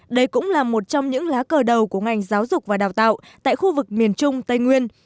đây cũng là một trong những lá cờ đầu của ngành giáo dục và đào tạo tại khu vực miền trung tây nguyên